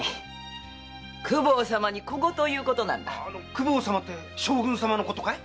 「公方様」って将軍様のことかい？